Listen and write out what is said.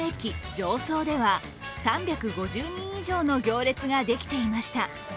常総では３５０人以上の行列ができていました。